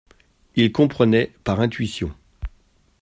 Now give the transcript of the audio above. Il comprenait par intuition.